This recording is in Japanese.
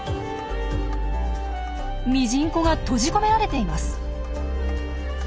ミジンコが閉じ込められています。